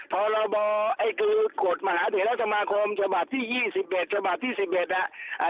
พรบกฎมหาเถียนรัฐสมาคมฉบับที่๒๑ฉบับที่๑๑อ่ะ